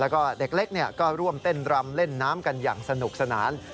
แล้วก็เด็กเล็กก็ร่วมเต้นรำเล่นน้ำกันอย่างสนุกสนาน